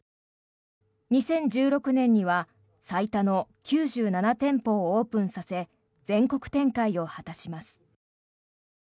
２０１６年には最多の９７店舗をオープンさせ全国展開を果たします。